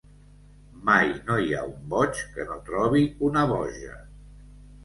Mai no hi ha un boig que no trobi una boja.